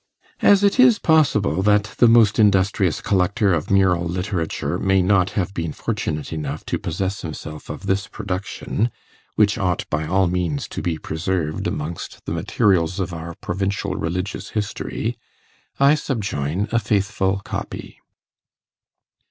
As it is possible that the most industrious collector of mural literature may not have been fortunate enough to possess himself of this production, which ought by all means to be preserved amongst the materials of our provincial religious history, I subjoin a faithful copy.